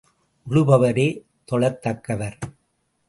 உழுபவரே தொழத் தக்கவர்!